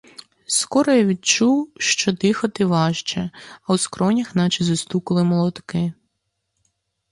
Скоро я відчув, що дихати важче, а в скронях наче застукали молотки.